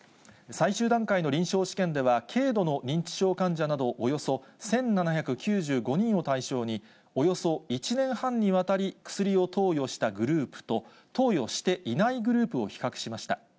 最終段階の臨床試験では軽度の認知症患者など、およそ１７９５人を対象に、およそ１年半にわたり薬を投与したグループと、投与していないグループを比較しました。